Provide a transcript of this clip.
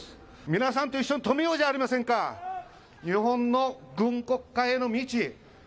皆さんと一緒に止めようじゃありませんか、日本の軍国化への道。